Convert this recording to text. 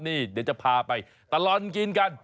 นี่เดี๋ยวจะพาไปตลอดกินกัน